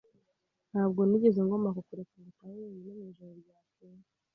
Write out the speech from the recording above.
Ntabwo nigeze ngomba kukureka ngo utahe wenyine mwijoro ryakeye.